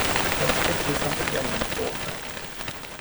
Let's pick this up again in a fortnight.